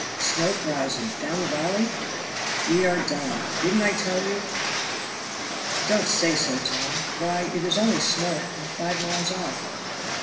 Smoke rising down the valley?" "We are done! Didn't I tell you?" "Don't say so, Tom. Why, it is only smoke, and five miles off."